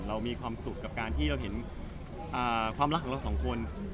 เรามีความสุขกับการที่เราเห็นความรักของเราสองคน